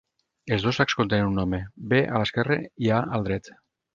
Els dos sacs contenen un home; B a l'esquerre i A al dret.